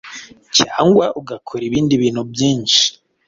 cyangwa ugakora ibindi bintu byinshi